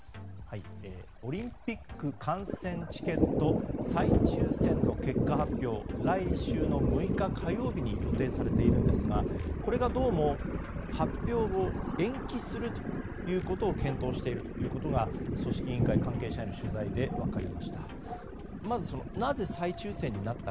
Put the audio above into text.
オリンピック観戦チケット再抽選の結果発表は来週の６日火曜日に予定されているんですがこれがどうも発表後延期するということを検討しているということが組織委員会関係者への取材で分かりました。